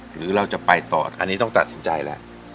หรือเราจะไปต่ออันนี้ต้องตัดสินใจแล้ว